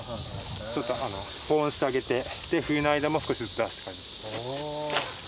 ちょっと保温してあげて冬の間も少しずつ出すって感じ。